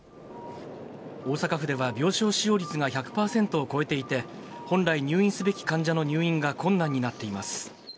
大阪府では病床使用率が１００％を超えていて、本来入院すべき患者の入院が困難になっています。